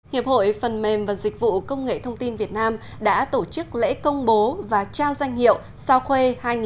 hiệp hội phần mềm và dịch vụ công nghệ thông tin việt nam đã tổ chức lễ công bố và trao danh hiệu sao khuê hai nghìn một mươi chín